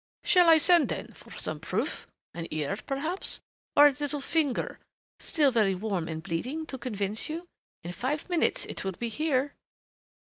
"Shall I send, then, for some proof an ear, perhaps, or a little finger, still very warm and bleeding, to convince you?... In five minutes it will be here."